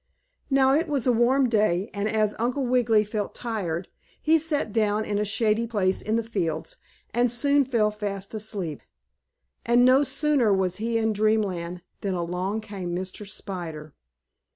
Now, it was a warm day, and, as Uncle Wiggily felt tired, he sat down in a shady place in the fields, and soon fell fast asleep. And, no sooner was he in Dreamland than along came Mr. Spider.